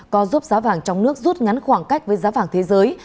có giúp giá vàng trong nước rút ngắn khoảng cách với giá vàng thế giới